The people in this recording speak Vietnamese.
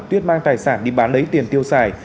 tuyết mang tài sản đi bán lấy tiền tiêu xài